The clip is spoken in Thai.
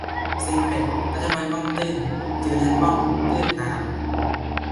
เซ็งเป็ด รัฐบาลบ้องตื้น สื่อดันบ้องตื้นตาม -_